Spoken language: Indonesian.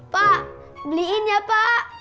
pak beliin ya pak